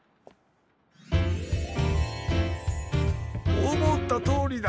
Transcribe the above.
おもったとおりだ！